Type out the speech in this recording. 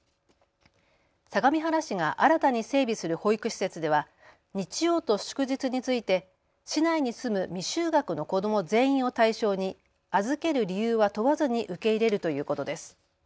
相模原市が新たに整備する保育施設では日曜と祝日について市内に住む未就学の子ども全員を対象に預ける理由は問わずに受け入れるということです。